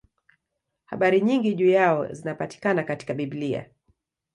Habari nyingi juu yao zinapatikana katika Biblia.